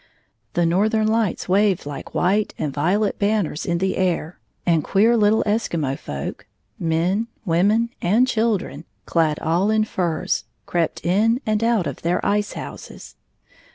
The northern lights waved like white and violet banners in the air, and queer little Eskimo folk — men, women, and children — clad all in furs, crept in and out of their ice houses.